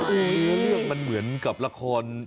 ไอ้เนี่ยเรื่องมันเหมือนกับหลายคน